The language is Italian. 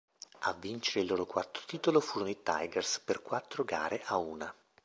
A vincere il loro quarto titolo furono i Tigers per quattro gare a una.